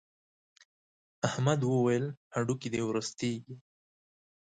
احمد وويل: هډوکي دې ورستېږي.